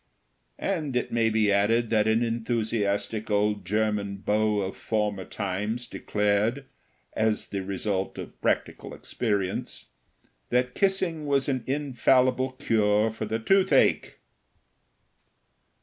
And it may be added, that an enthusiastic old German beau of former times declared, as the result of practical experience, that kissing was an infallible cure for the toothache!